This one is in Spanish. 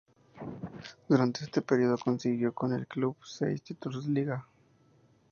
Durante este periodo consiguió con el club seis títulos de liga.